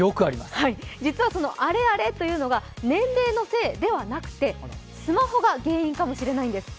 実はそのアレアレというのが年齢のせいではなくてスマホが原因かもしれないんです。